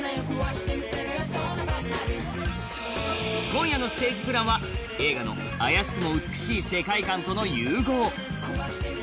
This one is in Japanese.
今夜のステージプランは映画の妖しくも美しい世界観の融合。